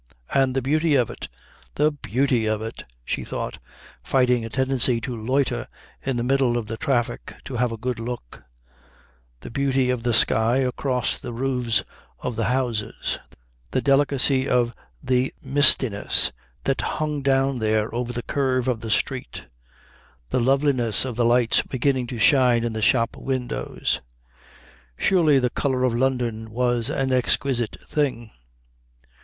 And the beauty of it, the beauty of it, she thought, fighting a tendency to loiter in the middle of the traffic to have a good look the beauty of the sky across the roofs of the houses, the delicacy of the mistiness that hung down there over the curve of the street, the loveliness of the lights beginning to shine in the shop windows. Surely the colour of London was an exquisite thing.